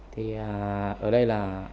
thì ở đây là